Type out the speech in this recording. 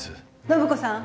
暢子さん。